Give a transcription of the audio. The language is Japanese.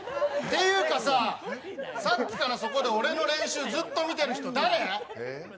ていうかさ、さっきからそこで俺の練習ずっと見てる人、誰？